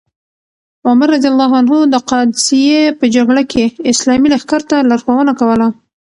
عمر رض د قادسیې په جګړه کې اسلامي لښکر ته لارښوونه کوله.